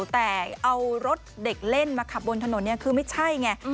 แต่เอารถเด็กเล่นมาขับบนถนนเนี่ยคือไม่ใช่ไง